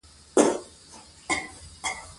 ازادي راډیو د سیاست په اړه تاریخي تمثیلونه وړاندې کړي.